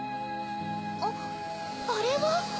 あっあれは？